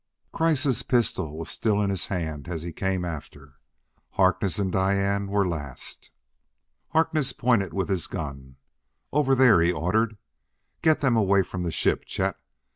Kreiss' pistol was still in his hand as he came after. Harkness and Diane were last. Harkness pointed with his gun. "Over there!" he ordered. "Get them away from the ship, Chet.